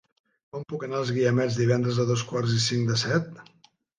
Com puc anar als Guiamets divendres a dos quarts i cinc de set?